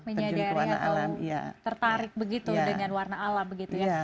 menyadari atau tertarik begitu dengan warna alam begitu ya